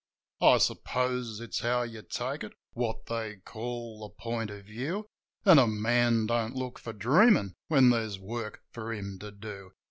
I suppose it's how you take it : what they call the point of view ; An' a man don't look for dreamin' when there's work for him to do.